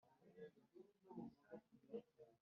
Iyo imukubiye mu kirumbi,